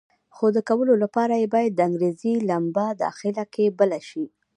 خو د کولو لپاره یې باید د انګېزې لمبه داخله کې بله شي.